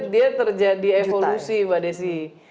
dia terjadi evolusi mbak desi